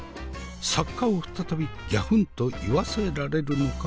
作家を再びギャフンと言わせられるのか？